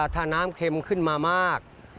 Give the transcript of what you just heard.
ถ้าน้ำเค็มขึ้นมามาก